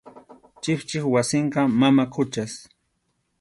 Chikchip wasinqa mama Quchas.